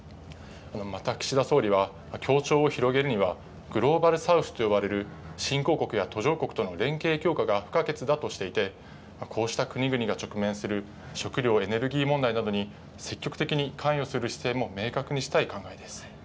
また岸田総理は、協調を広げるにはグローバル・サウスと呼ばれる新興国や途上国との連携強化が不可欠だとしていて、こうした国々が直面する食料・エネルギー問題などに積極的に関与する姿勢も明確にしたい考えです。